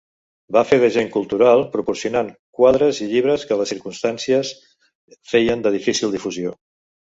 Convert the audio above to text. Va fer d'agent cultural, proporcionant quadres i llibres que les circumstàncies feien de difícil difusió.